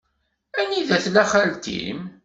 Anida tella xalti-m?